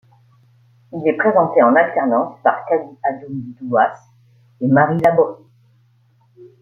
Il est présenté en alternance par Kady Adoum-Douass et Marie Labory.